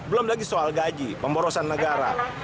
belum lagi soal gaji pemborosan negara